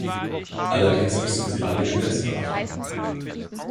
Allerdings müssten sie alle Gesetze beachten.